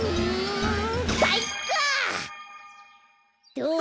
どう？